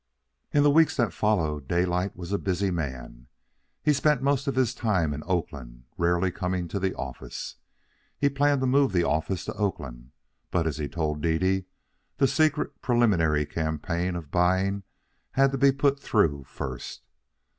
In the weeks that followed, Daylight was a busy man. He spent most of his time in Oakland, rarely coming to the office. He planned to move the office to Oakland, but, as he told Dede, the secret preliminary campaign of buying had to be put through first.